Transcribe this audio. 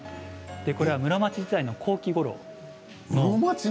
これは室町時代の後期ごろ。